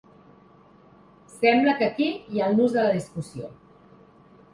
Sembla que aquí hi ha el nus de la discussió.